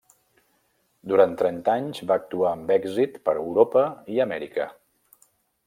Durant trenta anys va actuar amb èxit per Europa i Amèrica.